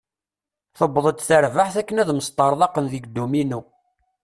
Tewweḍ-d tarbaɛt akken ad mesṭarḍaqen deg dduminu.